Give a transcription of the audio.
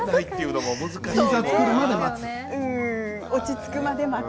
落ち着くまで待つ？